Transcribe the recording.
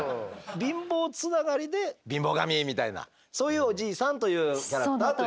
貧乏つながりで貧乏神みたいなそういうおじいさんというキャラクターということですね。